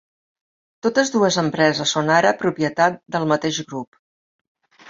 Totes dues empreses són ara propietat de la mateix grup.